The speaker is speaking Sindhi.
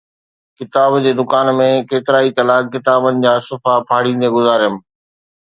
ڪتاب جي دڪان ۾ ڪيترائي ڪلاڪ ڪتابن جا صفحا ڦاڙيندي گذاريم